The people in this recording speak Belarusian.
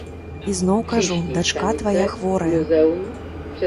І зноў кажу, дачка твая хворая.